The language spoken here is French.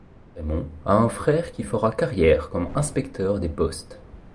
Raymond a un frère qui fera carrière comme inspecteur des Postes.